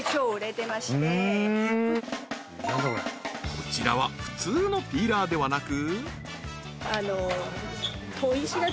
［こちらは普通のピーラーではなく］